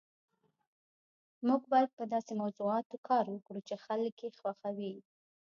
موږ باید په داسې موضوعاتو کار وکړو چې خلک یې خوښوي